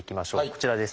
こちらです。